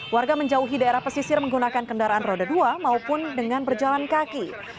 warga menjauhi daerah pesisir menggunakan kendaraan roda dua maupun dengan berjalan kaki